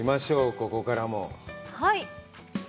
ここからも。